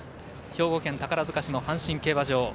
兵庫県宝塚市の阪神競馬場。